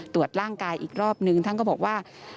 ตรวจร่างกายอีกรอบนึงท่านก็บอกว่า